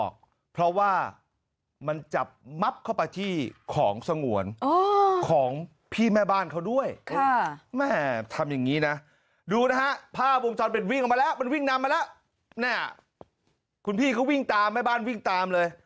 นี่พี่เขาวิ่งตามแม่บ้านวิ่งตามเลย